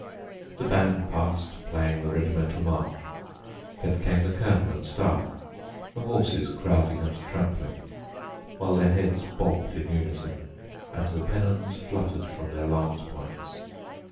The band passed, playing the regimental march, then came the colonel and staff, the horses crowding and trampling, while their heads bobbed in unison, and the pennons fluttered from their lance points.